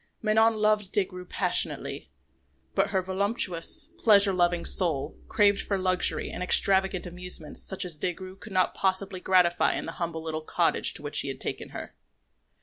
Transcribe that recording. Manon loved Des Grieux passionately; but her voluptuous, pleasure loving soul craved for luxury and extravagant amusements such as Des Grieux could not possibly gratify in the humble little cottage to which he had taken her.